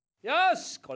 よし！